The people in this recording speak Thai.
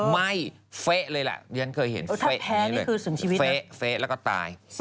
ไหม้เฟ้เลยแหละ